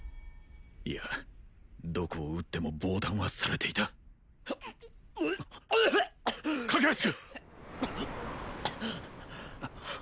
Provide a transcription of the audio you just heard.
いやどこを撃っても防弾はされていた架橋君！